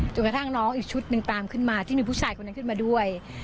กระทั่งน้องอีกชุดหนึ่งตามขึ้นมาที่มีผู้ชายคนนั้นขึ้นมาด้วย